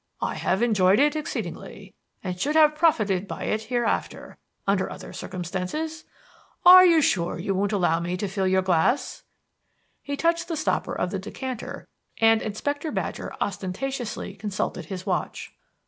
I have enjoyed it exceedingly, and should have profited by it hereafter under other circumstances. Are you sure you won't allow me to fill your glass?" He touched the stopper of the decanter, and Inspector Badger ostentatiously consulted his watch.